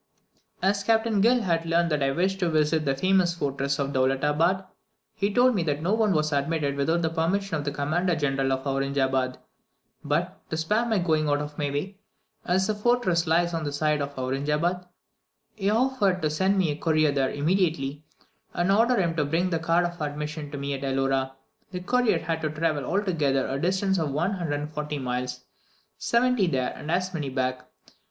As Captain Gill had learnt that I wished to visit the famous fortress of Dowlutabad, he told me that no one was admitted without the permission of the commander of Auranjabad; but, to spare my going out of my way (as the fortress lies on this side of Auranjabad), he offered to send a courier there immediately, and order him to bring the card of admission to me at Elora. The courier had to travel altogether a distance of 140 miles 70 there and as many back.